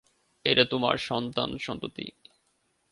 এরা তোমার সন্তান-সন্ততি।